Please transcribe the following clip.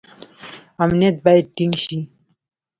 امنیت باید ټینګ شي